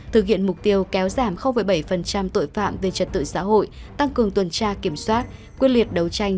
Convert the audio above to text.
thực hiện mục tiêu kéo giảm bảy tội phạm về trật tự xã hội tăng cường tuần tra kiểm soát quyết liệt đấu tranh